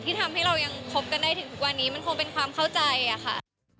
ทำให้เรายังคบกันได้ถึงทุกวันนี้มันคงเป็นความเข้าใจอะค่ะ